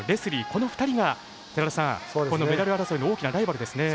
この２人が、寺田さんメダル争いの大きなライバルですね。